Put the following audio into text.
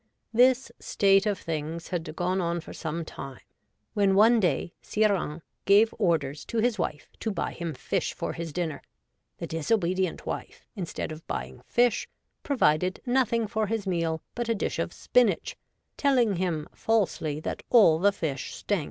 This state of things had gone on for some time, when one day Sire Hains gave orders to his wife to buy him fish for his dinner. The disobedient wife, instead of buying fish, provided nothing for his meal but a dish of spinach, telling him falsely that all the fish stank.